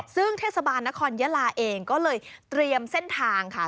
ซึ่งเทศบาลนครยะลาเองก็เลยเตรียมเส้นทางค่ะ